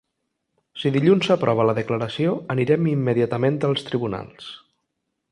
Si dilluns s’aprova la declaració anirem immediatament als tribunals.